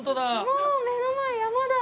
もう目の前山だ！